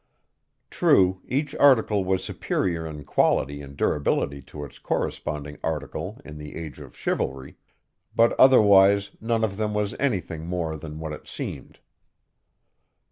True, each article was superior in quality and durability to its corresponding article in the Age of Chivalry, but otherwise none of them was anything more than what it seemed.